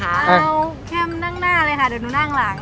เอาเข้มนั่งหน้าเลยค่ะเดี๋ยวหนูนั่งหลัง